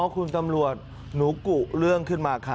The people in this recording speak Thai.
คุณตำรวจหนูกุเรื่องขึ้นมาค่ะ